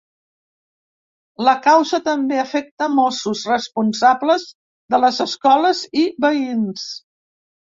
La causa també afecta mossos, responsables de les escoles i veïns.